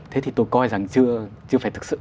thế thì tôi coi rằng chưa phải thực sự